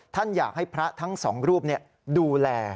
ท่านอยากให้พระทั้งสองรูปดูแล